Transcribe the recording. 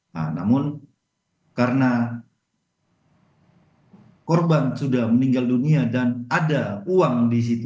nah namun karena korban sudah meninggal dunia dan ada uang di situ